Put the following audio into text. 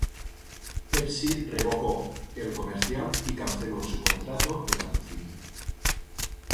Pepsi revocó el comercial y canceló su contrato de patrocinio.